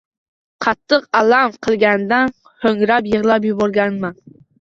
Qattiq alam qilganidan ho’ngrab yig’lab yuborganman.